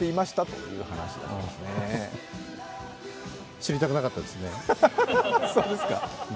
知りたくなかったですね。